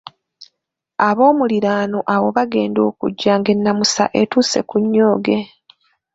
Aboomuliraano awo baagenda okujja ng’ennamusa etuuse ku nnyooge.